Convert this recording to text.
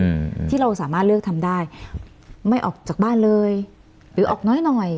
อืมที่เราสามารถเลือกทำได้ไม่ออกจากบ้านเลยหรือออกน้อยหน่อย